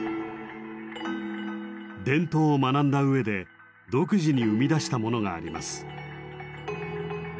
伝統を学んだ上で独自に生み出したものがあります。